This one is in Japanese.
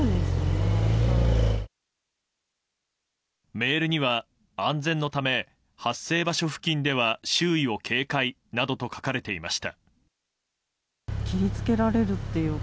メールには、安全のため発生場所付近では周囲を警戒などと書かれていました。